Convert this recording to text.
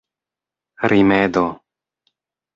rimedo